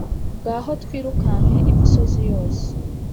ngaho twirukanke imisozi yose